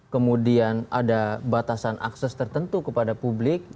kemudian ada batasan akses tertentu kepada publik